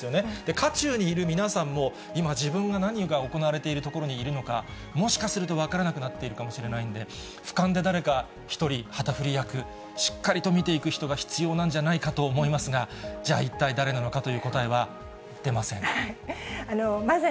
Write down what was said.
渦中にいる皆さんも今、自分が何が行われているところにいるのか、もしかすると分からなくなっているかもしれないんで、ふかんで誰か一人、旗振り役、しっかりと見ていく人が必要なんじゃないかなと思いますが、じゃあ一体誰なのかという答えは出ません。